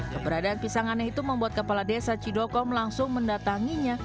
keberadaan pisang aneh itu membuat kepala desa cidokom langsung mendatanginya